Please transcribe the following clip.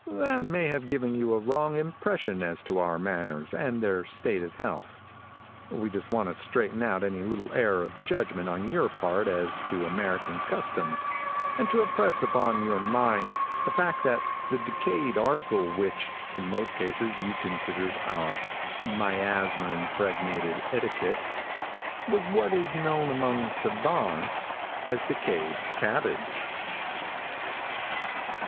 That may have given you a wrong impression as to our manners and their state of health. We just want to straighten out any little error of judgment on your part as to American customs, and to impress upon your mind the fact that the decayed article which, in most cases you considered our miasma impregnated etiquette, was what is known among savants as decayed cabbage.